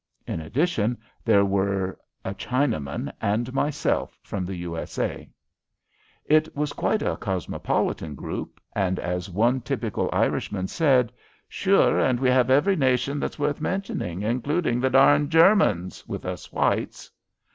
In addition there were a Chinaman and myself from the U. S. A. It was quite a cosmopolitan group, and as one typical Irishman said, "Sure, and we have every nation that's worth mentioning, including the darn Germans, with us whites."